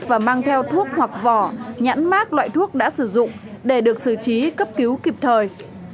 và mang theo thuốc hoặc vỏ nhãn mát loại thuốc đã sử dụng để được xử trí cấp cứu kịp thời